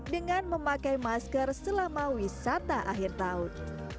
dengan memakai masker selama wisata akhir tahun